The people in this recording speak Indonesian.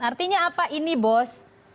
artinya apa ini bos